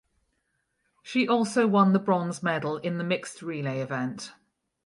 She also won the bronze medal in the mixed relay event.